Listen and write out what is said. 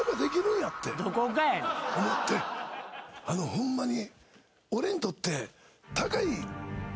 ホンマに。